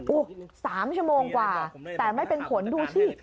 ๓ชั่วโมงกว่าแต่ไม่เป็นผลดูสิ